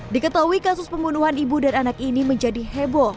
diketahui kasus pembunuhan ibu dan anak ini menjadi heboh